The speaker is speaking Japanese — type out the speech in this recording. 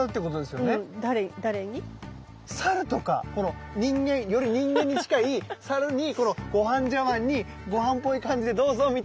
誰に？より人間に近いサルにこのごはん茶わんにごはんっぽい感じで「どうぞ！」みたいな。